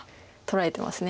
取られてます。